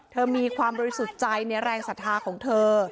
เธอมีความรู้สึกใจในนิยแรงศาฐาของเธอ